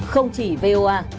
không chỉ voa